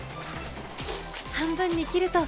半分に切ると。